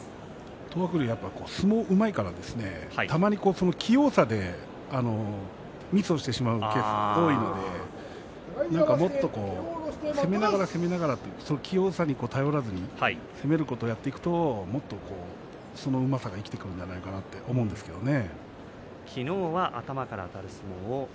東白龍は相撲がうまいからたまに器用さでミスをしてしまうケースが多いのでもっと攻めながら攻めながら器用さに頼らずに攻めることができるとそのうまさが生きてくるんじゃないかなと思うんですけれどね。